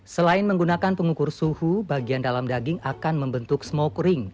selain menggunakan pengukur suhu bagian dalam daging akan membentuk smokering